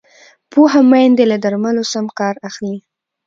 پوهه میندې له درملو سم کار اخلي۔